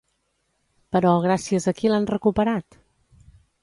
Però gràcies a qui l'han recuperat?